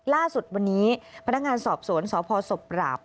ล่าสุดวันนี้พนักงานสอบสวนสพศพปราบ